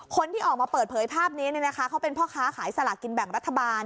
คนที่ออกมาเปิดเผยภาพนี้เขาเป็นพ่อค้าขายสลากินแบ่งรัฐบาล